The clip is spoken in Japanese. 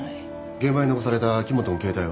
現場に残された木元の携帯は？